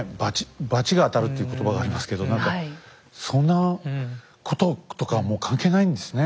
「罰が当たる」っていう言葉がありますけど何かそんなこととかはもう関係ないんですね